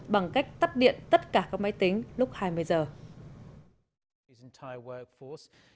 bằng cách tắt điện tất cả các máy tính lúc hai mươi giờ